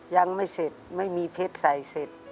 ยังไม่เสร็จไม่มีเพชรใส่เสร็จ